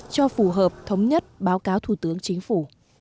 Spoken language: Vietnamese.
cho phù hợp thống nhất báo cáo thủ tướng chính phủ